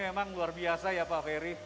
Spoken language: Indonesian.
memang luar biasa ya pak ferry